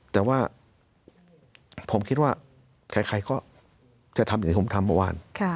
แต่ว่าผมคิดว่าใครก็จะทำอย่างที่ผมทำเมื่อวาน